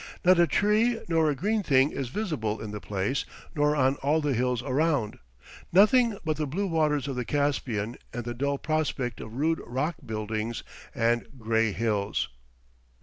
Not a tree nor a green thing is visible in the place nor on all the hills around nothing but the blue waters of the Caspian and the dull prospect of rude rock buildings and gray hills.